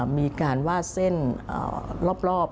มีการวาดเส้นรอบ